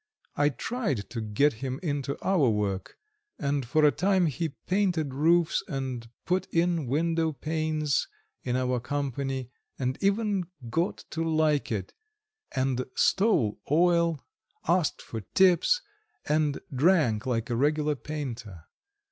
I tried to get him into our work, and for a time he painted roofs and put in window panes in our company, and even got to like it, and stole oil, asked for tips, and drank like a regular painter.